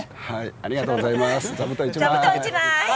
ありがとうございます。